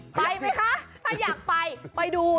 ไปไหมคะถ้าอยากไปไปดู